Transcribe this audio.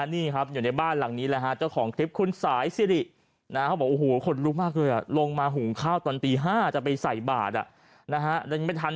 นี่ครับอยู่ในบ้านหลังนี้ละคะเจ้าของทิพย์คุณสายซิริคนลุกมากเลยอ่ะลงมาหุงข้าวตอนตีห้าจะไปใส่บาทนะฮะ